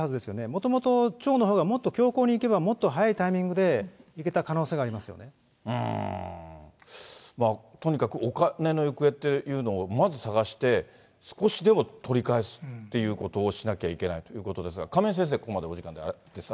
もともと町のほうがもっと強硬にいけば、もっと早いタイミングでとにかくお金の行方っていうのをまず捜して、少しでも取り返すってことをしなきゃいけないということですが、亀井先生、ここまででお時間です。